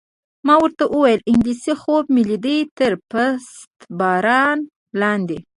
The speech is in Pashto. ما ورته وویل: انګلېسي خوب مې لیده، تر پست باران لاندې.